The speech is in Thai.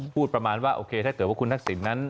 พูดประมาณว่าโอเคถ้าเกิดว่าคุณทักษิณนั้น